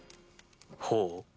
ほう？